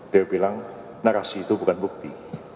dia bilang narasi itu bukan bukti